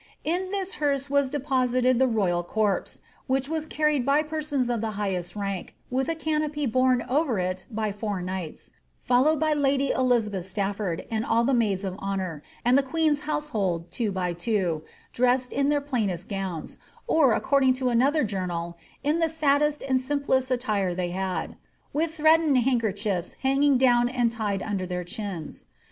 In this hearae was deposited the royal corpse, which was carried by persons of the highest rank, with a canopy borne over it by four knights ; followed by lady Elizabeth Stafford and all the maids of honour, and the queen's household, two and two, ^ dressed in their plainest ^owns," or, accord ing to another journal, '' in the saddest and simplest attire they had, with threadden handkerchiefs hanging down and tied under their chins."